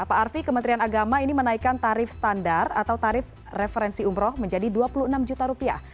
pak arfi kementerian agama ini menaikkan tarif standar atau tarif referensi umroh menjadi dua puluh enam juta rupiah